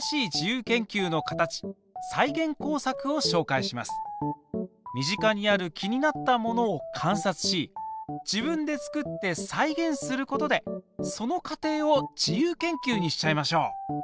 続いては身近にある気になったものを観察し自分で作って再現することでその過程を自由研究にしちゃいましょう！